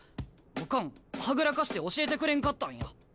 オカンはぐらかして教えてくれんかったんや。